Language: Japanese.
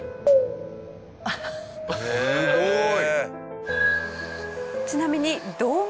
すごい！